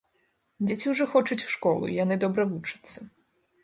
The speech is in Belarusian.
Дзеці ўжо хочуць у школу, яны добра вучацца.